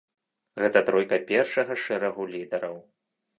Гэта тройка першага шэрагу лідараў.